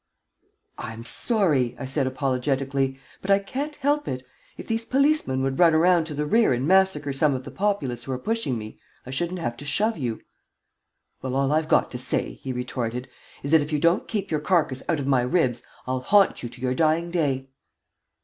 "I'm sorry," I said, apologetically, "but I can't help it. If these policemen would run around to the rear and massacre some of the populace who are pushing me, I shouldn't have to shove you." "Well, all I've got to say," he retorted, "is that if you don't keep your carcass out of my ribs I'll haunt you to your dying day."